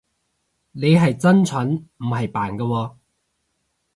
你係真蠢，唔係扮㗎喎